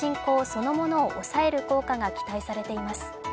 そのものを抑える効果が期待されています。